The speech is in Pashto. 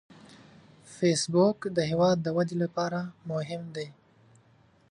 فېسبوک د هیواد د ودې لپاره مهم دی